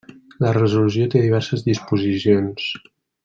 La resolució té diverses disposicions.